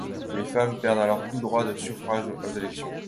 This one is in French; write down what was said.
Les femmes perdent alors tout droit de suffrage aux élections.